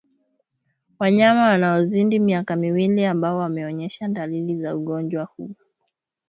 wanyama wanaozidi miaka miwili ambao wameonyesha dalili za ugonjwa huu